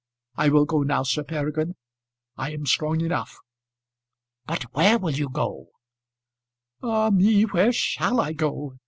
I will go now, Sir Peregrine; I am strong enough." "But where will you go?" "Ah me, where shall I go?"